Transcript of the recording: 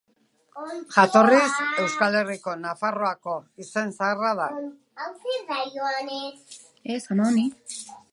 Jatorriz, Euskal Herriko Nafarroako izen zaharra da.